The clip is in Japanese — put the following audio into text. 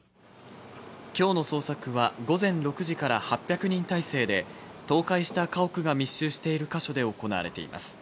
きょうの捜索は午前６時から８００人態勢で、倒壊した家屋が密集している箇所で行われています。